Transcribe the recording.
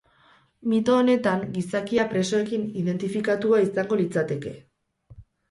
Mito honetan, gizakia presoekin identifikatua izango litzateke.